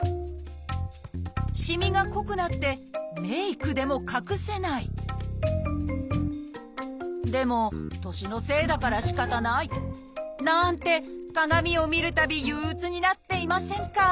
しみが濃くなってメークでも隠せないでも年のせいだからしかたないなんて鏡を見るたび憂うつになっていませんか？